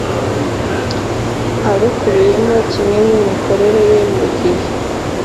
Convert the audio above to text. arukubiyemo kimwe n imikorere ye mu gihe